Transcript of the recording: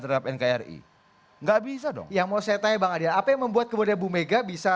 terhadap nkri nggak bisa dong yang mau saya tanya bang adian apa yang membuat kemudian bu mega bisa